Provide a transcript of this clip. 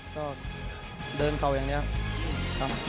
ก็เดินเก่าอย่างนี้ครับ